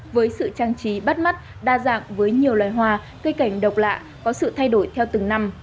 với sự trang trí bắt mắt đa dạng với nhiều loài hoa cây cảnh độc lạ có sự thay đổi theo từng năm